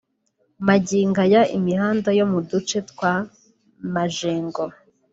Magingo aya imihanda yo mu duce twa Majengo